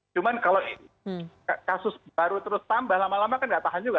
cuman kalau kasus baru terus tambah lama lama kan nggak tahan juga